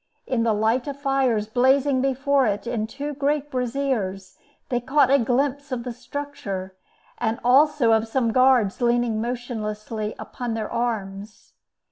In the light of fires blazing before it in two great braziers, they caught a glimpse of the structure, and also of some guards leaning motionlessly upon their arms.